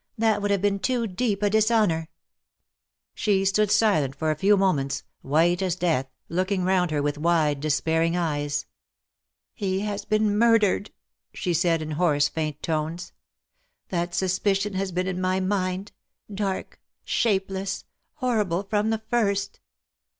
That would have been too deep a dishonour '/' She stood silent for a few moments, white as death, looking round her with wide, despairing eyes. " He has been murdered V' she said, in hoarse, faint tones. '' That suspicion has been in my mind — dark — shapeless — horrible — from the first.